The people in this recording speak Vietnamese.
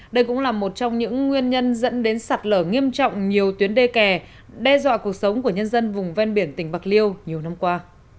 đây cũng là một trong những nguyên nhân dẫn đến sạt lở nghiêm trọng nhiều tuyến đê kè đe dọa cuộc sống của nhân dân vùng ven biển tỉnh bạc liêu nhiều năm qua